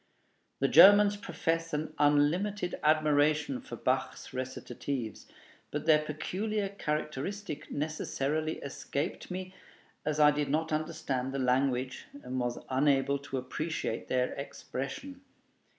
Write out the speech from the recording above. The Germans profess an unlimited admiration for Bach's recitatives; but their peculiar characteristic necessarily escaped me, as I did not understand the language and was unable to appreciate their expression.